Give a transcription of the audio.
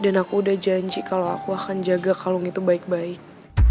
dan aku udah janji kalo aku akan jaga kalung itu baik baik